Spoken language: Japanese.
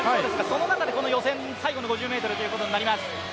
その中でこの予選、最後の５０ｍということになります。